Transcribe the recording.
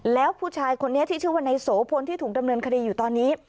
แล้วผู้ชายคนนี้ที่ชื่อว่านายโสพลที่ถูกดำเนินคดีอยู่ตอนนี้